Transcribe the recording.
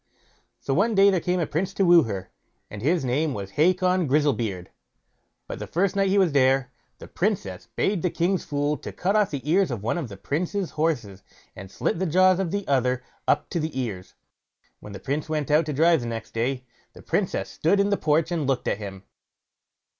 So one day there came a prince to woo her, and his name was Hacon Grizzlebeard; but the first night he was there, the Princess bade the king's fool cut off the ears of one of the prince's horses, and slit the jaws of the other up to the ears. When the prince went out to drive next day, the Princess stood in the porch and looked at him.